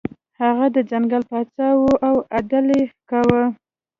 هغه د ځنګل پاچا و او عدل یې کاوه.